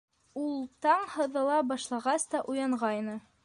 Ул таң һыҙыла башлағас та уянғайны.